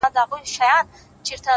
زلفي يې زما پر سر سايه جوړوي”